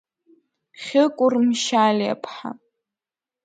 Хьыкәыр Мшьалиа-ԥҳа…